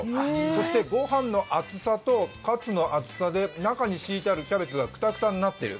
そして御飯の熱さとカツの熱さで中に敷いてあるキャベツがくたくたになってる。